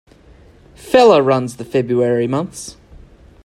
Feller runs the February months.